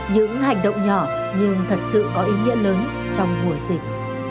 những hành động nhỏ nhưng thật sự có ý nghĩa lớn trong mùa dịch